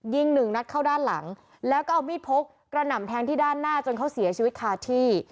หนึ่งนัดเข้าด้านหลังแล้วก็เอามีดพกกระหน่ำแทงที่ด้านหน้าจนเขาเสียชีวิตคาที่